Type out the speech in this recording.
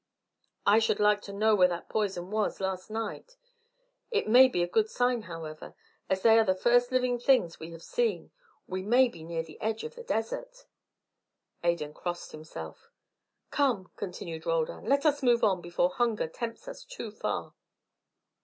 "I should like to know where that poison was last night. It may be a good sign, however: as they are the first living things we have seen, we may be near to the edge of the desert." Adan crossed himself. "Come," continued Roldan, "let us move on, before hunger tempts us too far."